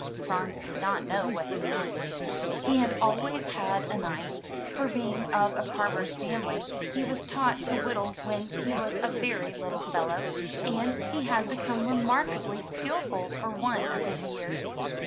Franz did not know what he meant. He had always had a knife, for being of a carver's family he was taught to whittle when he was a very little fellow, and he had become remarkably skillful for one of his years.